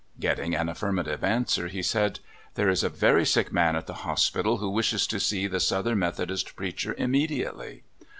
" Getting an affirmative answer, he said: *^ There is a very sick man at the hospital who wishes to see the Southern Methodist preacher immediately."